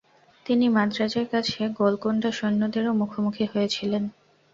তিনি মাদ্রাজের কাছে গোলকোন্ডা সৈন্যদেরও মুখোমুখি হয়েছিলেন।